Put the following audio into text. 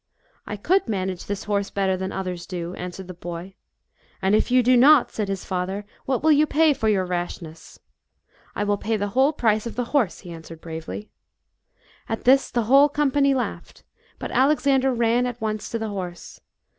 *" a I could manage this horse better than others do," answered the boy. " And if you do not," said his father, " what will you pay for your rashness ?"" I will pay the whole price of the horse," he answered bravely. At this the whole company laughed, but Alex ander ran at once to the horse.